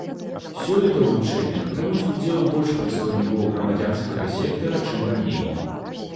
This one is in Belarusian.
Сёлета ў вучэннях прымуць удзел больш прадстаўнікоў грамадзянскага сектара, чым раней.